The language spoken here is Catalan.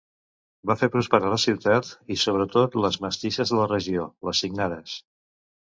Va fer prosperar la ciutat, i sobretot les mestisses de la regió, les signares.